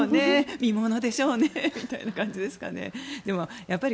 見ものでしょうね、みたいな感じでしょうかね。